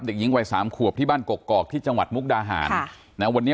เด็กหญิงวัยสามขวบที่บ้านกกอกที่จังหวัดมุกดาหารนะวันนี้